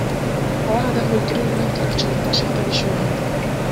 Алар адам өлтүрүү менен каракчылыкка шектелишүүдө.